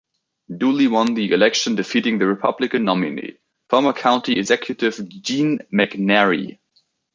Dooley won the election defeating the Republican nominee, former County Executive Gene McNary.